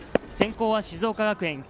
先行は静岡学園。